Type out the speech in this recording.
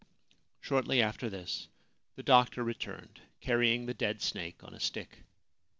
Shortly after this the doctor returned, carrying the dead snake on a stick.